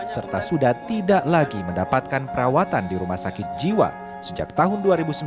serta sudah tidak lagi mendapatkan perawatan di rumah sakit jiwa sejak tahun dua ribu sembilan belas